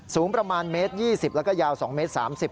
สูงประมาณเมตร๒๐แล้วก็ยาว๒เมตร๓๐